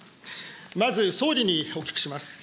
まず総理にお聞きします。